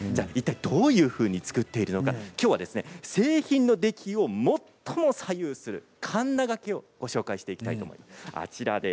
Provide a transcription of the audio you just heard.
どういうふうに作ってるのかきょうは各製品の出来を最も左右する、かんながけをご紹介していきたいと思います。